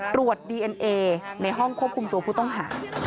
ตรวจดีเอ็นเอในห้องควบคุมตัวผู้ต้องหา